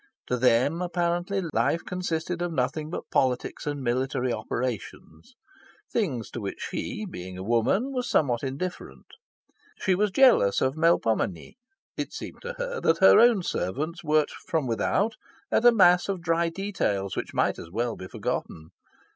To them, apparently, life consisted of nothing but politics and military operations things to which she, being a woman, was somewhat indifferent. She was jealous of Melpomene. It seemed to her that her own servants worked from without at a mass of dry details which might as well be forgotten.